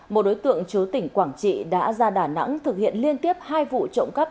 một đối tượng chú tỉnh quảng trị đã ra đà nẵng thực hiện liên tiếp hai vụ trộm cắp